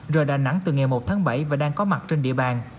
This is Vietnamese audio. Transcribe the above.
rời đà nẵng từ ngày một tháng bảy và đang có mặt trên địa bàn